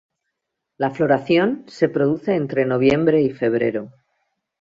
La floración se produce entre noviembre y febrero.